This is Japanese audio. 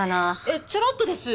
えっちょろっとです！